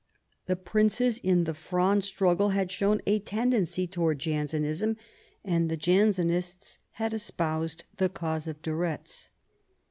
The princes in the Fronde struggle had shown a tendency towards Jansenism, and the Jansenists had espoused the cause of de Eetz.